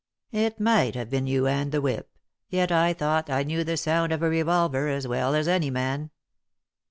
" It might have been you and the whip ; yet I thought I knew the sound of a revolver as well as any man."